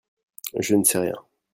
je ne sais rien.